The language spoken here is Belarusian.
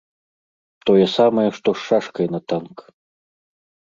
Тое самае, што з шашкай на танк.